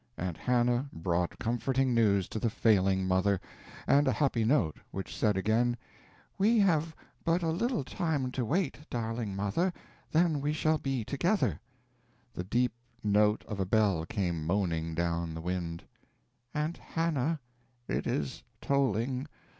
Aunt Hannah brought comforting news to the failing mother, and a happy note, which said again, "We have but a little time to wait, darling mother, then we shall be together." The deep note of a bell came moaning down the wind. "Aunt Hannah, it is tolling.